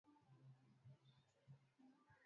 Lakini sio mapenzi, mapenzi yanaumiza